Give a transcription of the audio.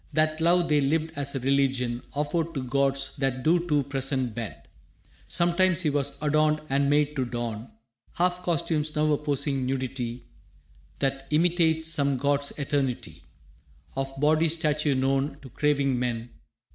That love they lived as a religion Offered to gods that do to presence bend. Sometimes he was adorned and made to don Half costumes, now a posing nudity That imitates some god's eternity Of body statue known to craving men.